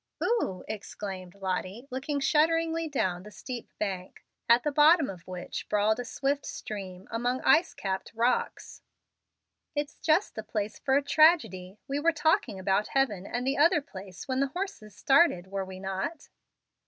"O o h!" exclaimed Lottie, looking shudderingly down the steep bank, at the bottom of which brawled a swift stream among ice capped rocks. "It's just the place for a tragedy. We were talking about heaven and the other place when the horses started, were we not?